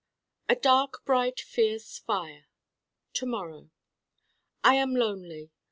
A dark bright fierce fire To morrow I am Lonely.